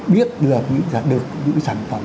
biết được những sản phẩm